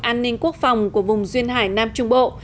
an ninh quốc phòng của vùng duyên hải nam trung bộ